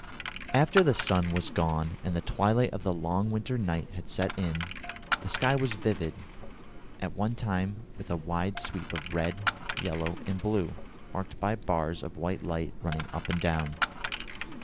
After the sun had gone and the twilight of the long winter night had set in, the sky was vivid, at one time, with a wide sweep of red, yellow, and blue, marked by bars of white light running up and down.